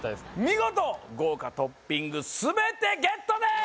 見事豪華トッピング全てゲットです！